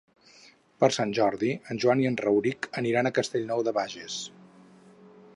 Per Sant Jordi en Joan i en Rauric aniran a Castellnou de Bages.